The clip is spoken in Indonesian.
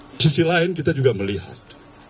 di sisi lain kita juga melihat